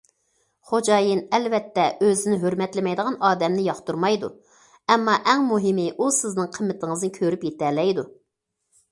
خوجايىن ئەلۋەتتە ئۆزىنى ھۆرمەتلىمەيدىغان ئادەمنى ياقتۇرمايدۇ، ئەمما ئەڭ مۇھىمى ئۇ سىزنىڭ قىممىتىڭىزنى كۆرۈپ يېتەلەيدۇ.